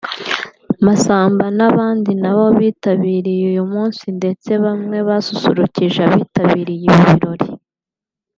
Massamba n’abandi na bo bitabiriye uyu munsi ndetse bamwe basusurutsa abitabiriye ibi birori